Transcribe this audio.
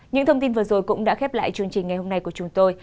những thông tin vừa rồi cũng đã khép lại chương trình ngày hôm nay của chúng tôi